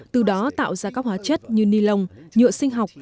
từ đó tạo ra các hóa chất như ni lông nhựa sinh học